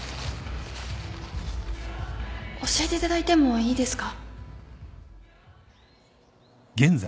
教えていただいてもいいですか？